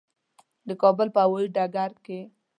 د کابل په هوایي ډګر کې.